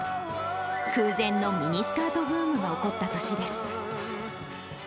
空前のミニスカートブームが起こった年です。